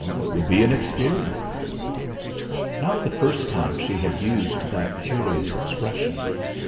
"It would be an experience." Not the first time she had used that curious expression!